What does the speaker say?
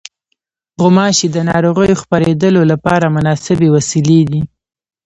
غوماشې د ناروغیو خپرېدلو لپاره مناسبې وسیلې دي.